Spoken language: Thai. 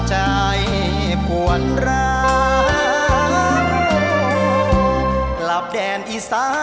ช่วยฝังดินหรือกว่า